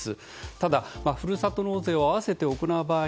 ただ、ふるさと納税を併せて行う場合